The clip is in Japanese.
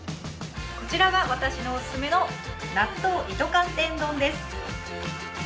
こちらが私のオススメの納豆糸寒天丼です！